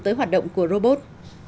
tới hoạt động của robot